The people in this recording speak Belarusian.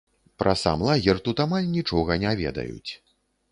Пра сам лагер тут амаль нічога не ведаюць.